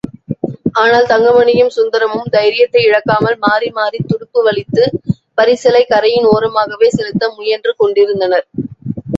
ஆனால், தங்கமணியும் சுந்தரமும் தைரியத்தை இழக்காமல் மாறிமாறித் துடுப்பு வலித்து, பரிசலைக் கரையின் ஓரமாகவே செலுத்த முயன்று கொண்டிருந்தனர்.